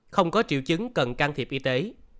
không có triệu chứng cần can thiệp y tế